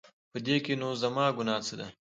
په دې کې نو زما ګناه څه ده؟